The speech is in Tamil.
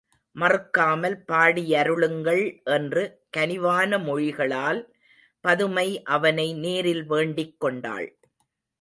மறுக்காமல் பாடியருளுங்கள் என்று கனிவான மொழிகளால் பதுமை அவனை நேரில் வேண்டிக் கொண்டாள்.